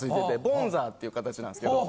ボンザーっていう形なんですけど。